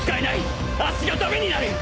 足が駄目になる！